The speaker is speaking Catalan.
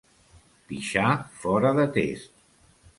Pixar fora de test.